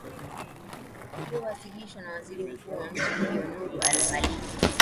uliowasilishwa na waziri mkuu wa nchi hiyo nuru al maliki